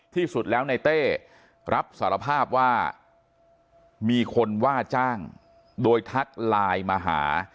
ที่สุดแล้วในเต้รับสารภาพว่ามีคนว่าจ้างโดยทักไลน์มาหา